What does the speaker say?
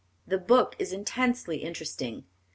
The book is intensely interesting.